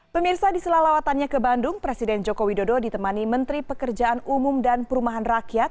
pemirsa di selalawatannya ke bandung presiden joko widodo ditemani menteri pekerjaan umum dan perumahan rakyat